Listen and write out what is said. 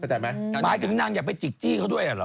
หมายถึงนางอย่าไปจิกจี้เขาด้วยเหรอ